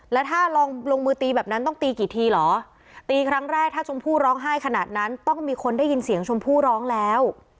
แล้วถ้าลองลงมือตีแบบนั้นต้องตีกี่ทีเหรอตีครั้งแรกถ้าชมพู่ร้องไห้ขนาดนั้นต้องมีคนได้ยินเสียงชมพู่ร้องแล้ว